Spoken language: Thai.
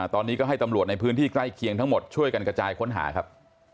ตอนนี้ก็ให้ตำรวจในพื้นที่ใกล้เคียงทั้งหมดช่วยกันกระจายค้นหาครับ